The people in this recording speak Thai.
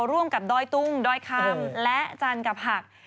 ร่วมกับดอยตุ้งด้อยคำและจันกับผัก